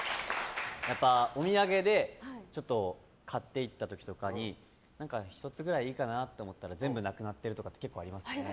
やっぱりお土産で買っていった時とかに１つくらいいいかなと思ったら全部なくなってること結構ありますね。